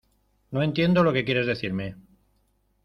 no entiendo lo que quieres decirme.